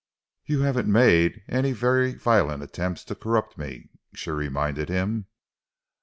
"You haven't made any very violent attempts to corrupt me," she reminded him.